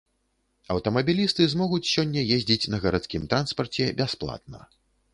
Аўтамабілісты змогуць сёння ездзіць на гарадскім транспарце бясплатна.